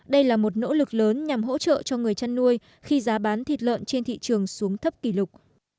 đây là một nỗ lực lớn nhằm hỗ trợ cho người chăn nuôi khi giá bán thịt lợn trên thị trường xuống thấp kỷ lục